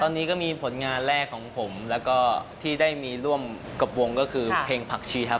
ตอนนี้ก็มีผลงานแรกของผมแล้วก็ที่ได้มีร่วมกับวงก็คือเพลงผักชีครับ